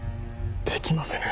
できませぬ。